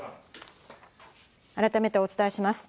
改めてお伝えします。